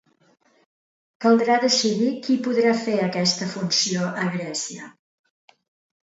Caldrà decidir qui podrà fer aquesta funció a Grècia.